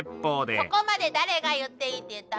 そこまで誰が言っていいって言ったの？